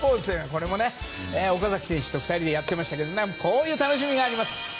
これも岡崎選手と２人でやってましたがこういう楽しみがあります。